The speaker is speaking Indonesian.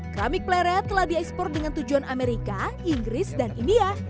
keramik pleret telah diekspor dengan tujuan amerika inggris dan india